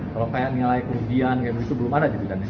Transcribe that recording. kalau kayak nilai kerugian itu belum ada